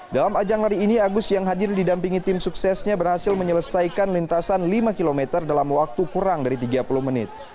dalam ajang lari ini agus yang hadir didampingi tim suksesnya berhasil menyelesaikan lintasan lima km dalam waktu kurang dari tiga puluh menit